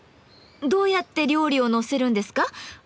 どうやって料理をのせるんですか？